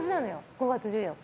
５月１４日。